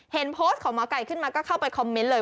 เห็นโพสต์ของหมอไก่ขึ้นมาก็เข้าไปคอมเมนต์เลย